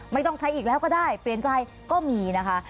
ไม่ต้องใช้อีกแล้วก็ได้เปลี่ยนใจก็มีนะคะ